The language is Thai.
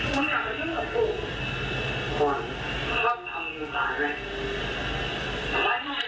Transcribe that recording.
โปรดติดตามตอนต่อไป